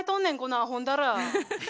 あほんだら。